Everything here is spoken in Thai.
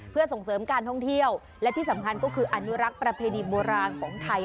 เพื่อส่งเสริมการท่องเที่ยวและที่สำคัญก็คืออนุรักษ์ประเพณีโบราณของไทย